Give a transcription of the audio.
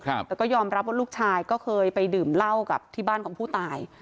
แต่ก็ยอมรับว่าลูกชายก็เคยไปดื่มเหล้ากับที่บ้านของผู้ตาย